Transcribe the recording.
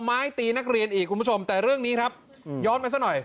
ไม้ตีนักเรียนอีกคุณผู้ชมแต่เรื่องนี้ครับย้อนไปซะหน่อย